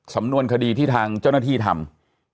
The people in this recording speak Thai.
สำนวนคดีที่ทางเจ้าหน้าที่ทำ